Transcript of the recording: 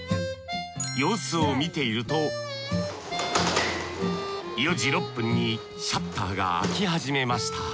様子を見ていると４時６分にシャッターが開き始めました。